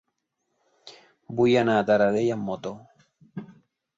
Vull anar a Taradell amb moto.